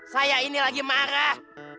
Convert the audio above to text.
saya ini lagi marah